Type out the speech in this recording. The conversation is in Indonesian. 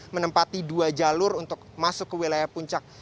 menempati dua jalur untuk masuk ke wilayah puncak